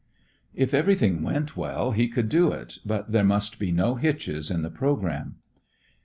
If everything went well, he could do it, but there must be no hitches in the programme.